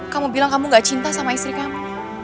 kamu bilang kamu gak cinta sama istri kamu